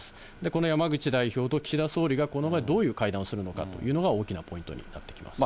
この山口代表と岸田総理がこの後、どういう会談をするのかというのが大きなポイントになってきます。